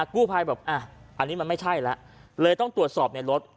กู้ภัยแบบอันนี้มันไม่ใช่แล้วเลยต้องตรวจสอบในรถ